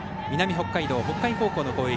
北海道、北海高校の攻撃。